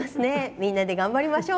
みんなで頑張りましょう！」。